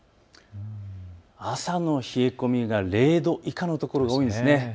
朝の冷え込みが０度以下の所が多いですね。